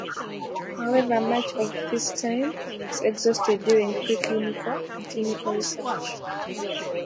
However, much of this time is exhausted during pre-clinical and clinical research.